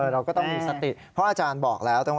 เราก็ต้องมีสติเพราะอาจารย์บอกแล้ว